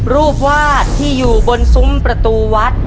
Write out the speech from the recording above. รูปวาดที่อยู่บนซุ้มประตูวัด